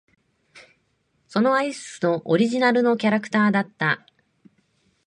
そのアイスのオリジナルのキャラクターだった。